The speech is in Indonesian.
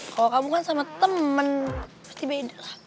kalau kamu kan sama temen pasti beda lah